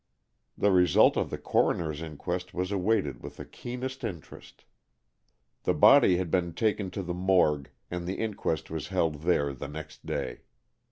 The result of the coroner's inquest was awaited with the keenest interest. The body had been taken to the morgue, and the inquest was held there the next day.